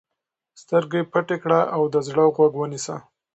سترګې پټې کړه او د زړه غوږ ونیسه.